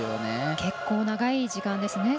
結構長い時間ですね。